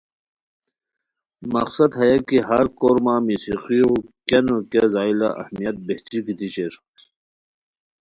مقصد ہیہ کی ہر کورمہ موسیقیو کیہ نو کیہ زائیلہ اہمیت بہچی گیتی شیر